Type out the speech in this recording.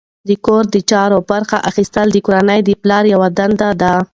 د کور د چارو برخه اخیستل د کورنۍ د پلار یوه دنده ده.